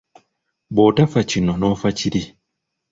Bw’otafa kino n’ofa kiri.